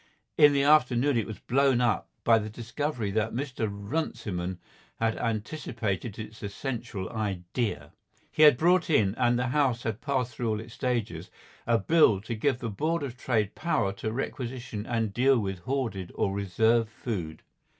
In the afternoon it was blown up by the discovery that Mr. Runciman had anticipated its essential idea. He had brought in, and the House had passed through all its stages, a Bill to give the Board of Trade power to requisition and deal with hoarded or reserved food.